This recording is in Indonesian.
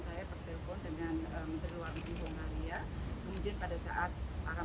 saya juga berkomunikasi dengan menteri luar negeri nakato